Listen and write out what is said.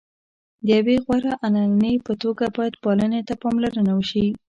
د یوې غوره عنعنې په توګه باید پالنې ته یې پاملرنه وشي.